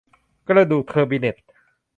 กระดูกเทอร์บิเนต